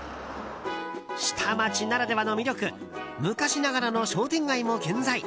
下町ならではの魅力昔ながらの商店街も健在。